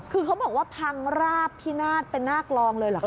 คือเขาบอกว่าพังราบพินาศเป็นหน้ากลองเลยเหรอค